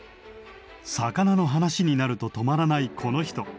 魚の話になると止まらないこの人。